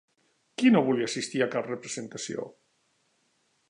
Qui no volia assistir a cap representació?